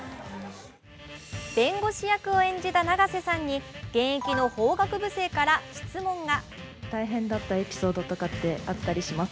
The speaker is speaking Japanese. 弁護士役を演じた永瀬さんに現役の法学部生から質問が。